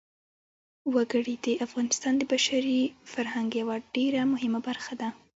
وګړي د افغانستان د بشري فرهنګ یوه ډېره مهمه برخه ده.